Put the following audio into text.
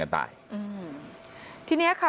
ขอบคุณค่ะ